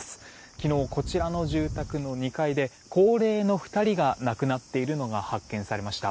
昨日、こちらの住宅の２階で高齢の２人が亡くなっているのが発見されました。